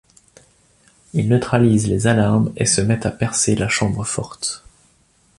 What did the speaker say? Ils neutralisent les alarmes et se mettent à percer la chambre forte.